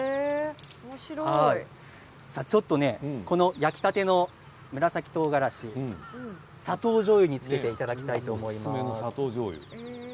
焼きたての紫とうがらし砂糖じょうゆにつけていただきたいと思います。